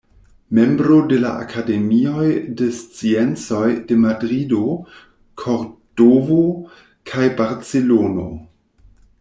Membro de la Akademioj de Sciencoj de Madrido, Kordovo kaj Barcelono.